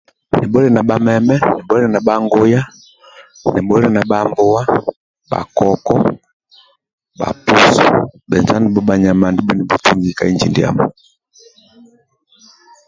Nibhuli na bhameme nibhuli na bhanguya nibhuli na bhambuwa bhakoko bha pusu bhenjo andbho bhanyama ndibhe nibhutungi ka inji ndiamo